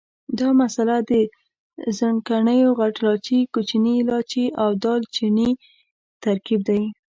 دا مساله د ځڼکیو، غټ لاچي، کوچني لاچي او دال چیني ترکیب دی.